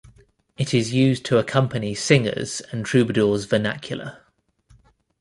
It is used to accompany singers' and troubadours' vernacular.